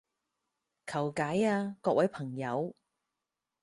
求解啊各位朋友